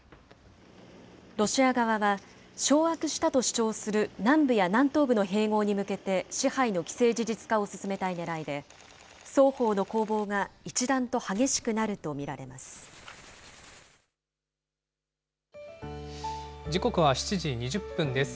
ロシア側は、掌握したと主張する南部や南東部の併合に向けて、支配の既成事実化を進めたいねらいで、双方の攻防が一段と激しくなると見られま時刻は７時２０分です。